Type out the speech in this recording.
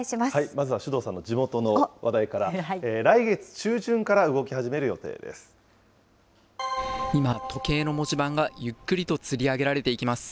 まずは首藤さんの地元の話題から、今、時計の文字盤がゆっくりとつり上げられていきます。